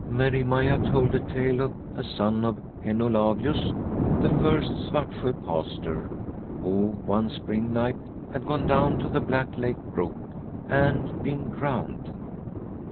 Merry Maia told a tale of a son of Hen Ola vius the first Svartsjo pastor, who one spring night had gone down to the Black Lake The Daily Round 193 brook and been drowned.